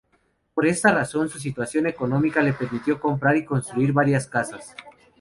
Por esta razón, su situación económica le permitió comprar y construir varias casas.